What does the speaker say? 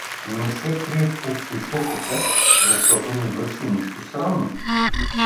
Не се крие по кьошетата, защото не върши нищо срамно.